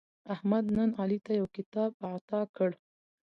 احمد نن علي ته یو کتاب اعطا کړ.